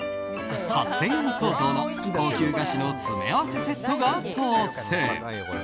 ８０００円相当の高級菓子の詰め合わせセットが当せん。